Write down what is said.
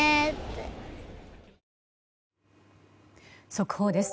速報です。